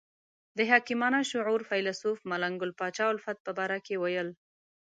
د حکیمانه شعور فیلسوف ملنګ ګل پاچا الفت په باره کې ویل.